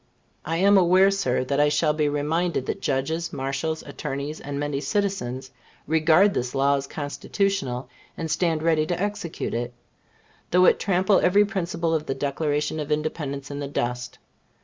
I am aware, Sir, that I shall be reminded that judges, marshals, attorneys, and many citizens, regard this law as Constitutional, and stand ready to execute it, though it trample every principle of the Declaration of Independence in the dust.